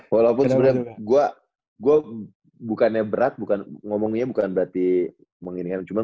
walaupun sebenarnya gua bukannya berat bukan ngomongnya bukan berarti menginginkan cuman